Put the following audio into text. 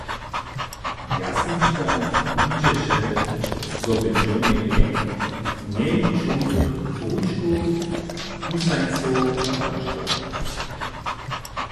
Jasnička widźeše, zo bě Jonny rjek njeličomnych bručkow, husańcow a wačkow.